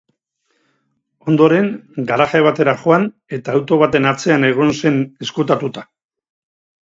Ondoren, garaje batera joan eta auto baten atzean egon zen ezkutatuta.